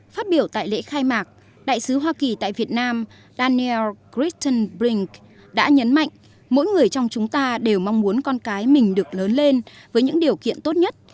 phát biểu tại lễ khai mạc đại sứ hoa kỳ tại việt nam daniel cristenbrink đã nhấn mạnh mỗi người trong chúng ta đều mong muốn con cái mình được lớn lên với những điều kiện tốt nhất